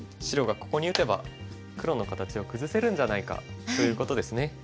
白がここに打てば黒の形を崩せるんじゃないかということですね。